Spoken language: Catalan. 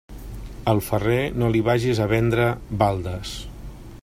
Al ferrer, no li vages a vendre baldes.